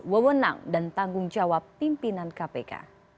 wewenang dan tanggung jawab pimpinan kpk